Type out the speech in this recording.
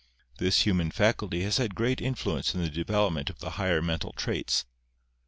This human faculty has had great influence in the development of the higher mental traits.